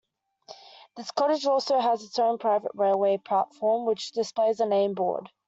This cottage also has its own private railway platform, which displays a name board.